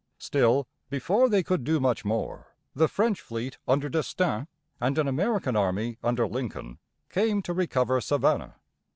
Still, before they could do much more, the French fleet under D'Estaing (des taN´), and an American army under Lincoln, came to recover Savannah.